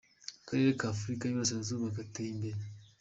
Akarere ka Afurika y’Uburasirazuba kateye imbere.